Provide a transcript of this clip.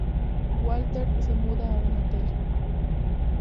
Walter se muda a un hotel.